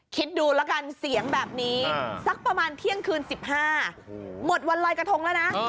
คิดดูแล้วกันเสียงแบบนี้สักประมาณเที่ยงคืน๑๕หมดวันลอยกระทงแล้วนะ